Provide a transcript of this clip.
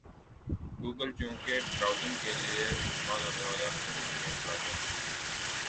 Google چونکہ browsing کے لئے استعمال ہونے والا مقبول ترین برؤزر ہے